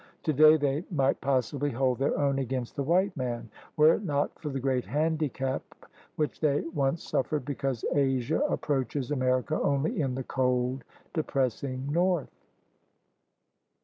Today they might possibly hold their own against the white man, were it not for the great handicap which they once suffered because Asia approaches America only in the cold, depressing north.